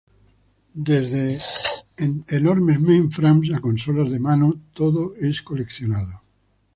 Desde enormes mainframes a consolas de mano, todo es coleccionado.